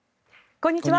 こんにちは。